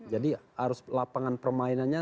jadi lapangan permainannya